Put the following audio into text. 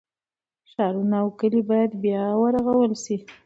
ښارونه او کلي باید بیا ورغول شي.